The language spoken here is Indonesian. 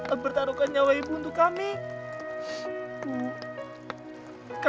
aku tidak sanggup lagi untuk hidup ayah